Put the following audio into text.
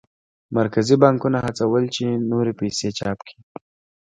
مرکزي بانکونه هڅول چې نورې پیسې چاپ کړي.